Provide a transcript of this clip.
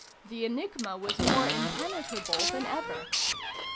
The enigma was more impenetrable than ever.